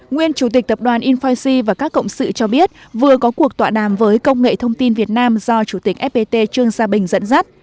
nguyên chủ tịch tập đoàn infice và các cộng sự cho biết vừa có cuộc tọa đàm với công nghệ thông tin việt nam do chủ tịch fpt trương gia bình dẫn dắt